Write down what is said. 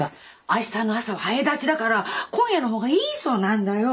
明日の朝は早立ちだから今夜の方がいいそうなんだよ。